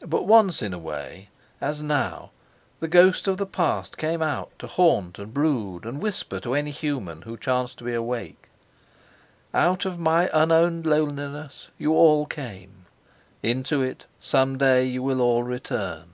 But once in a way, as now, the ghost of the past came out to haunt and brood and whisper to any human who chanced to be awake: "Out of my unowned loneliness you all came, into it some day you will all return."